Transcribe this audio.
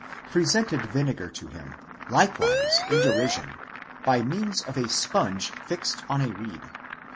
presented vinegar to him, likewise in derision, by means of a sponge fixed on a reed (v.